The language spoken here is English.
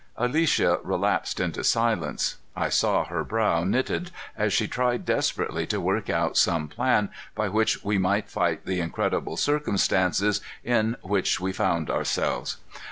Alicia relapsed into silence. I saw her brow knitted as she tried desperately to work out some plan by which we might fight the incredible circumstances in which we found ourselves.